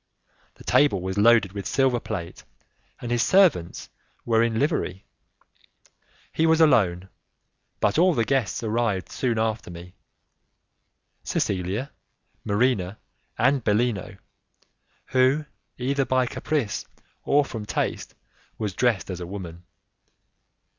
The table was loaded with silver plate, and his servants were in livery. He was alone, but all his guests arrived soon after me Cecilia, Marina, and Bellino, who, either by caprice or from taste, was dressed as a woman.